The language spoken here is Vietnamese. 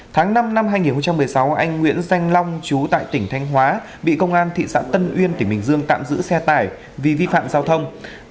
tháng năm năm hai nghìn một mươi sáu anh nguyễn danh long chú tại tỉnh thanh hóa bị công an thị xã tân uyên tỉnh bình dương tạm giữ xe tải vì vi phạm giao thông